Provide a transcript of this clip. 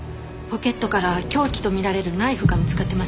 ポケットから凶器と見られるナイフが見つかってます。